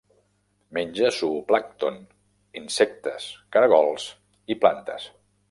Menja zooplàncton, insectes, caragols i plantes.